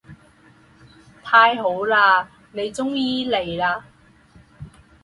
太好了，你终于来了。